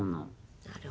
なるほどね。